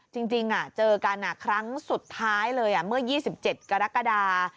จริงเจอกันครั้งสุดท้ายเลยเมื่อ๒๗กรกฎา